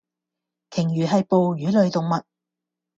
鯨魚係哺乳類動物